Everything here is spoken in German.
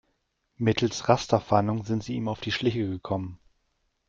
Mittels Rasterfahndung sind sie ihm auf die Schliche gekommen.